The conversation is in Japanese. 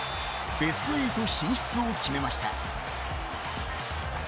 ベスト８進出を決めました。